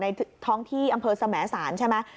ท้องที่อำเภอสมสารใช่ไหม